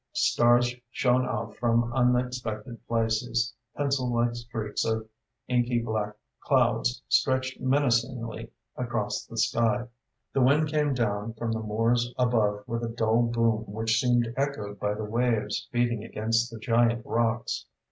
Stars shone out from unexpected places, pencil like streaks of inky black clouds stretched menacingly across the sky. The wind came down from the moors above with a dull boom which seemed echoed by the waves beating against the giant rocks.